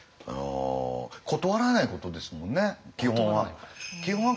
断らないことですもんね基本は。